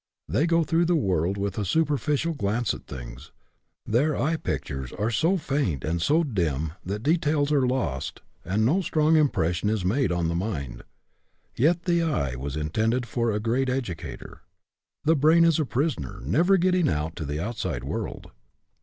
They go through the world with a su perficial glance at things; their eye pictures are so faint and so dim that details are lost and no strong impression is made on the mind. Yet the eye was intended for a great educator. The brain is a prisoner, never getting out to the outside world.